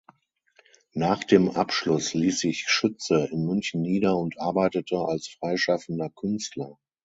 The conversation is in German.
Nach dem Abschluss ließ sich Schütze in München nieder und arbeitete als freischaffender Künstler.